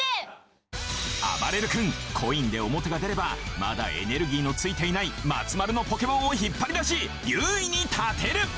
あばれる君コインでオモテが出ればまだエネルギーのついていない松丸のポケモンを引っぱり出し優位に立てる！